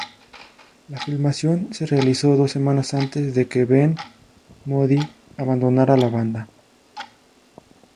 La filmación se realizó dos semanas antes de que Ben Moody abandonara la banda.